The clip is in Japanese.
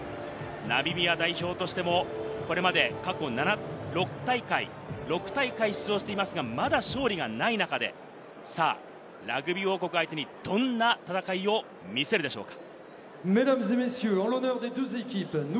ナミビア代表としても、これまで過去６大会出場していますが、まだ勝利がない中でラグビー王国を相手にどんな戦いを見せるでしょうか？